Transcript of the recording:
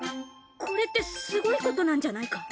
これってすごいことなんじゃないか？